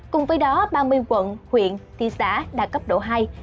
cùng với đó ba mươi quận huyện thị xã đạt cấp độ hai